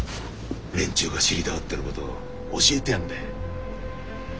連中が知りたがってることを教えてやるんだ。